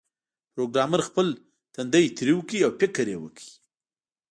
پروګرامر خپل تندی ترېو کړ او فکر یې وکړ